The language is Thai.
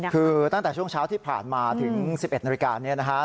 คือตั้งแต่ช่วงเช้าที่ผ่านมาถึง๑๑นาฬิกานี้นะฮะ